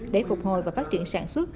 để phục hồi và phát triển sản xuất